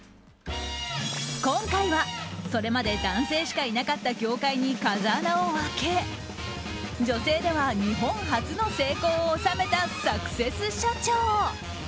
今回は、それまで男性しかいなかった業界に風穴を開け女性では日本初の成功を収めたサクセス社長。